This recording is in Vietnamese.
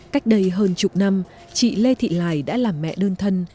cách đây hơn chục năm chị lê thị lài đã làm mẹ đơn thân